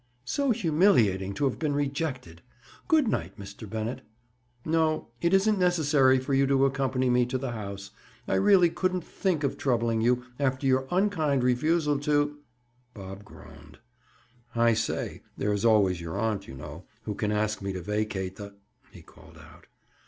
So humiliating to have been rejected! Good night, Mr. Bennett. No—it isn't necessary for you to accompany me to the house. I really couldn't think of troubling you after your unkind refusal to—" Bob groaned. "I say, there is always your aunt, you know, who can ask me to vacate the—" he called out.